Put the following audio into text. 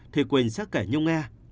thì quỳnh sẽ kể nhung nghe